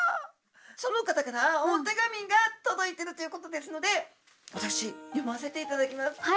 その方からお手紙が届いてるということですので私読ませていただきます。